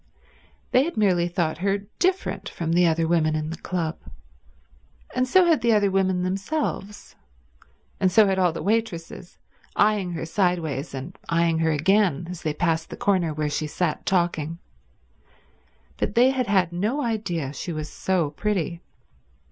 They had merely thought her different from the other women in the club, and so had the other women themselves, and so had all the waitresses, eyeing her sideways and eyeing her again as they passed the corner where she sat talking; but they had had no idea she was so pretty.